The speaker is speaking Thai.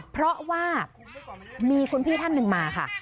เพราะว่ามีคุณพี่ท่านหนึ่งมาค่ะ